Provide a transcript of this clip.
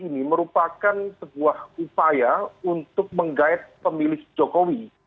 ini merupakan sebuah upaya untuk menggait pemilih jokowi